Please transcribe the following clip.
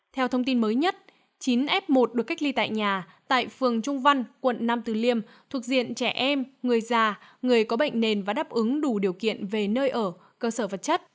theo thông tin mới nhất chín f một được cách ly tại nhà tại phường trung văn quận nam từ liêm thuộc diện trẻ em người già người có bệnh nền và đáp ứng đủ điều kiện về nơi ở cơ sở vật chất